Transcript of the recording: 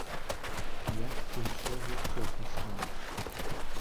Як і ўсё жыццё пасля.